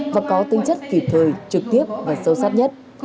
và có tinh chất kịp thời trực tiếp và sâu sát nhất